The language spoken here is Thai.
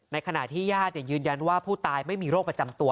ขณะที่ญาติยืนยันว่าผู้ตายไม่มีโรคประจำตัว